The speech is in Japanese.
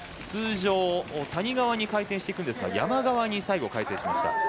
通常、谷側に回転していくんですが山側に最後回転しました。